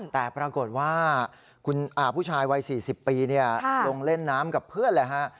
แต่ปรากฏว่าผู้ชายวัย๔๐ปีลงเล่นน้ำกับเพื่อนเลยฮะ